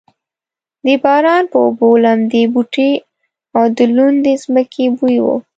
د باران په اوبو لمدې بوټې او د لوندې ځمکې بوی و.